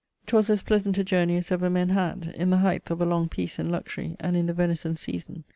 'Twas as pleasant a journey as ever men had; in the heighth of a long peace and luxury, and in the venison season.